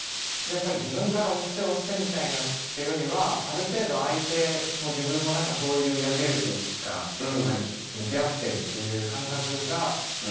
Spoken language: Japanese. やっぱり自分から押して押してっていうよりはある程度相手も自分もそういう矢印が向き合ってるっていう感覚が。